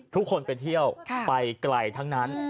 ทุกคนไปเที่ยวไปไกลทั้งนั้น